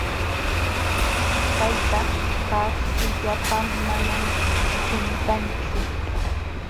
Tayta pa tullapan manam quntanchu.